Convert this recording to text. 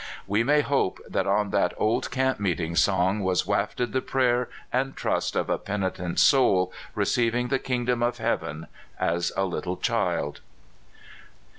We may hope that on that old camp meeting song was wafted the prayer and trust of a penitent soul receiving the kingdom of heaven as a little child.